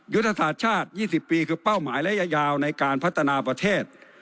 ยุทธศาสตร์ชาติ๒๐ปีคือเป้าหมายระยะยาวในการพัฒนาประเทศ